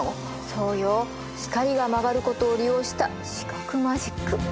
そうよ光が曲がることを利用した視覚マジック。